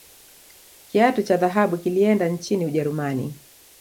kiatu cha dhahabu kilienda nchini ujerumani